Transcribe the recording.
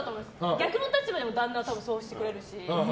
逆の立場でも旦那はそうしてくれるし。